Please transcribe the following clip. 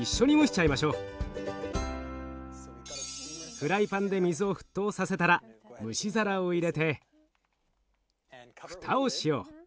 フライパンで水を沸騰させたら蒸し皿を入れて蓋をしよう。